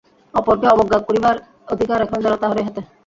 অপরকে অবজ্ঞা করিবার অধিকার এখন যেন তাহারই হাতে।